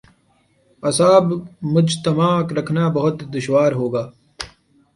اعصاب مجتمع رکھنا بہت دشوار ہو گا۔